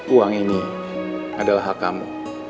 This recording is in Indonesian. uang ini adalah hak kamu